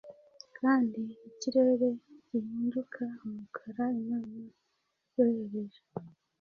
kandi ikirere gihinduka umukara Imana yohereje